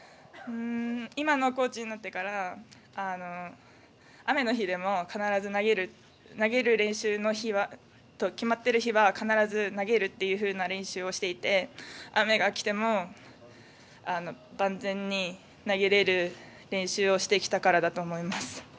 今のコーチになってから雨の日でも練習で決まっている日は必ず投げるという練習をしていて雨がきても万全に投げられる練習をしてきたからだと思います。